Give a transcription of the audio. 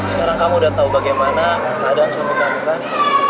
sekarang kamu udah tahu bagaimana keadaan suami kamu kan